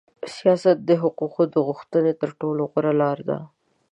سیاست د حقوقو د غوښتنې تر ټولو غوړه لار ده.